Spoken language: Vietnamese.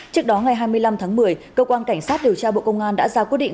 trước đó ngày hai mươi năm tháng một mươi cơ quan cảnh sát điều tra bộ công an đã ra quyết định